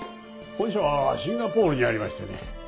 本社はシンガポールにありましてね